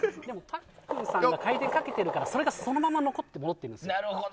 パックンさんが回転をかけてるからそれがそのまま残って戻ってる。